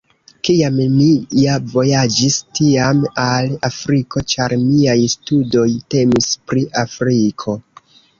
Kiam mi ja vojaĝis, tiam al Afriko, ĉar miaj studoj temis pri Afriko.